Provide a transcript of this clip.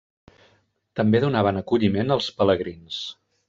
També donaven acolliment als pelegrins.